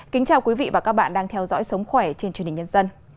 kính chào quý vị và các bạn đang theo dõi sống khỏe trên truyền hình nhân dân